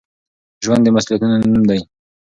ژوند د مسؤليتونو نوم دی.